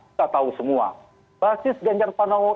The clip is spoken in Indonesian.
kita tahu semua basis janjar pranowo